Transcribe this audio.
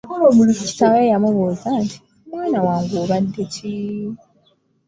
Kitaawe yamubuuza nti, “Mwana wange obadde ki?''